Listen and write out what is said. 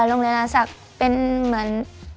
โรงเรียนอาศักดิ์เป็นเหมือน